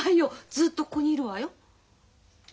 ずっとここにいるわよ。